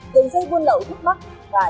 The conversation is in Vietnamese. đường dây quân lậu thúc mắc và